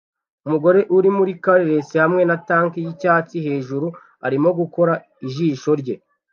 Umugore uri muri curlers hamwe na tank yicyatsi hejuru arimo gukora ijisho rye